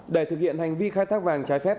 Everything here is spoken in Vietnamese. để thực hiện hành vi khai thác vàng trái phép